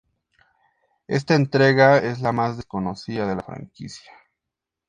Esta entrega es la más desconocida de la franquicia.